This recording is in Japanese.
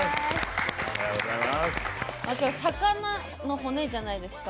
魚の骨じゃないですか。